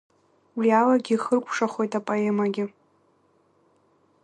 Уи алагьы ихыркәшахоит апоемагьы…